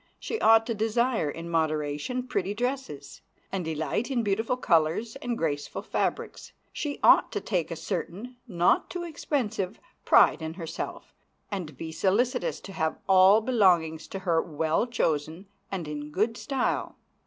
She ought to desire in moderation pretty dresses, and delight in beautiful colors and graceful fabrics. She ought to take a certain, not too expensive, pride, in herself, and be solicitous to have all belonging to her well chosen and in good style.